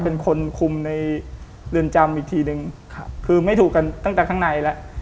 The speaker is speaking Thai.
เป็นคนคุมในเรือนจำอีกทีหนึ่งครับคือไม่ถูกกันตั้งแต่ข้างในแล้ว